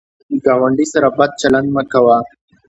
ګاونډي سره بد چلند مه کوه